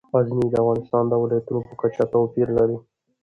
غزني د افغانستان د ولایاتو په کچه توپیر لري.